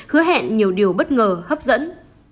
hứa hẹn nhiều điều bất ngờ hấp dẫn